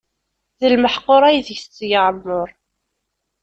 Di lmeḥqur ay deg tetteg aɛemmuṛ.